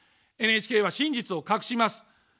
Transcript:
ＮＨＫは真実を隠します。